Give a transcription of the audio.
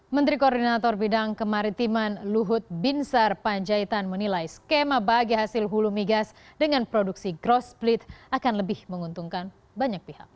menteri koordinator bidang kemaritiman luhut binsar panjaitan menilai skema bagi hasil hulu migas dengan produksi growth split akan lebih menguntungkan banyak pihak